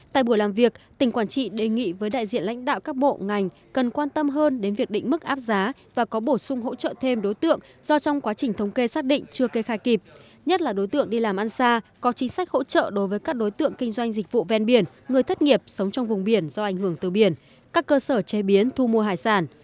tại buổi làm việc tỉnh quảng trị đề nghị với đại diện lãnh đạo các bộ ngành cần quan tâm hơn đến việc định mức áp giá và có bổ sung hỗ trợ thêm đối tượng do trong quá trình thống kê xác định chưa kê khai kịp nhất là đối tượng đi làm ăn xa có chính sách hỗ trợ đối với các đối tượng kinh doanh dịch vụ ven biển người thất nghiệp sống trong vùng biển do ảnh hưởng từ biển các cơ sở chế biến thu mua hải sản